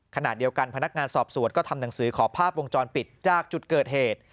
ขณะเดียวกันพนักงานสอบสวนก็ทำหนังสือขอภาพวงจรปิดจากจุดเกิดเหตุ